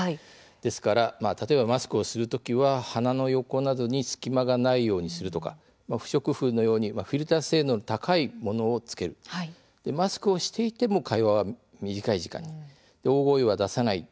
ですから例えばマスクをするときは鼻の横などに隙間がないようにするですとか不織布のようにフィルター性能の高いものを着けるマスクをしていても会話は短い時間に大声を出さない。